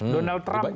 donald trump kan